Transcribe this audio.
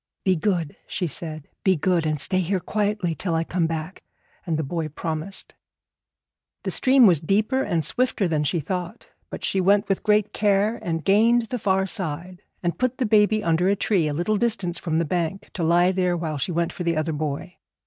'Be good,' she said; 'be good, and stay here quietly till I come back;' and the boy promised. The stream was deeper and swifter than she thought; but she went with great care and gained the far side, and put the baby under a tree a little distance from the bank, to lie there while she went for the other boy.